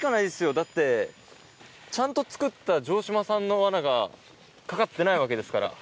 だってちゃんと作った城島さんのワナがかかってないわけですから。